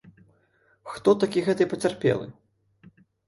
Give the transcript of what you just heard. Хто такі гэты пацярпелы?